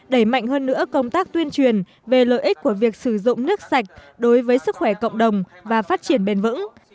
đẩy mạnh hơn nữa công tác tuyên truyền về lợi ích của việc sử dụng nước sạch đối với sức khỏe cộng đồng và phát triển bền vững